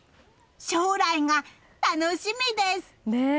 将来が楽しみです！